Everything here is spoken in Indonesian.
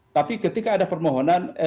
tapi ketika ada permohonan